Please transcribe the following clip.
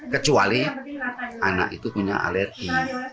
kecuali anak itu punya alergi